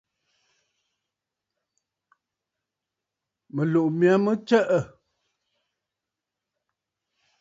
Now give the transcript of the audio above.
Mɨ̀tlùʼù mya mə tsəʼə̂.